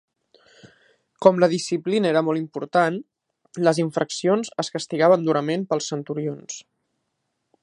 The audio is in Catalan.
Com la disciplina era molt important, les infraccions es castigaven durament pels centurions.